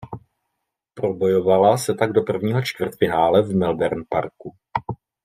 Probojovala se tak do prvního čtvrtfinále v Melbourne Parku.